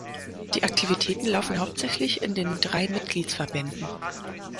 Die Aktivitäten laufen hauptsächlich in den drei Mitgliedsverbänden.